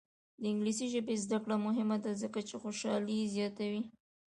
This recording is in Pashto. د انګلیسي ژبې زده کړه مهمه ده ځکه چې خوشحالي زیاتوي.